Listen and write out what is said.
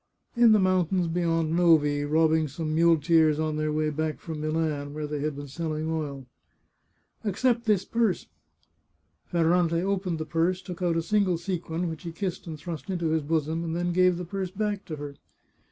In the mountains beyond Novi, robbing some mule teers on their way back from Milan, where they had been selling oil." " Accept this purse. Ferrante opened the purse, took out a single sequin, which he kissed and thrust into his bosom, and then gave the purse back to her.